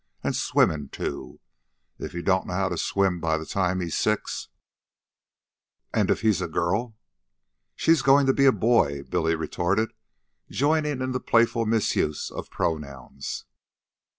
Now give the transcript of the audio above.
An' swimmin' too. If he don't know how to swim by the time he's six..." "And if HE'S a girl?" "SHE'S goin' to be a boy," Billy retorted, joining in the playful misuse of pronouns.